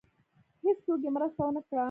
هېڅوک یې مرسته ونه کړه.